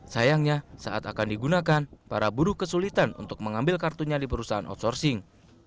sayangnya saat akan digunakan para buruh kesulitan untuk mengambil kartunya di perusahaan outsourcing